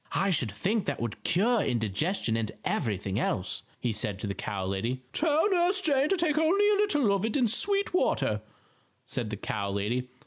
"I should think that would cure indigestion and everything else," he said to the cow lady. "Tell Nurse Jane to take only a little of it in sweet water," said the cow lady.